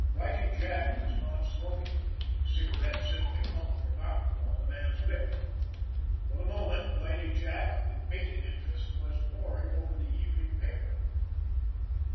Whitie Jack was not smoking; the cigarette simply hung forgotten on the man's lip. For the moment Whitie Jack with bated interest was poring over the evening paper.